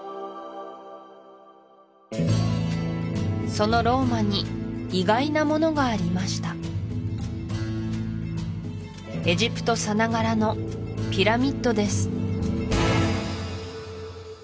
そのローマに意外なものがありましたエジプトさながらのピラミッドです